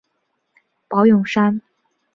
宝永山。